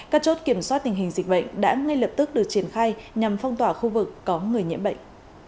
các chốt kiểm soát tình hình dịch bệnh đã ngay lập tức được triển khai nhằm phong tỏa khu vực có người nhiễm bệnh